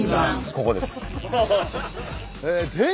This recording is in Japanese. ここです。